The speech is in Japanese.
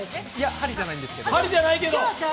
針じゃないんですけど。